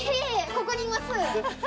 ここにいます。